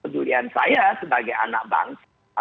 kedulian saya sebagai anak bangsa